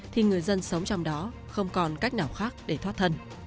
thì người dân sống trong đó không còn cách nào khác để thoát thân